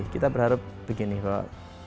kita berharap begini kok